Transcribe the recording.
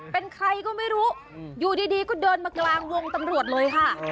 เป็นใครก็ไม่รู้อยู่ดีก็เดินมากลางวงตำรวจเลยค่ะ